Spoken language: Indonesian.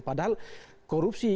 padahal korupsi itu